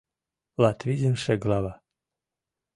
ЛАТВИЗЫМШЕ ГЛАВА